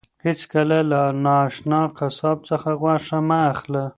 هیڅکله له نااشنا قصاب څخه غوښه مه اخله.